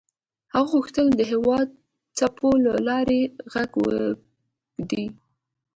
هغه غوښتل د هوا د څپو له لارې غږ ولېږدوي.